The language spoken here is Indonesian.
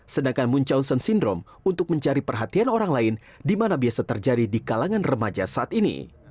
sedangkan muncausen syndrome untuk mencari perhatian orang lain di mana biasa terjadi di kalangan remaja saat ini